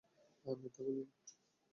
আমি মিথ্যা বলি না।